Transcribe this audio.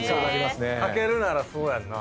かけるならそうやんな。